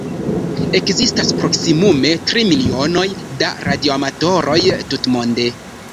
Ekzistas proksimume tri milionoj da radioamatoroj tutmonde.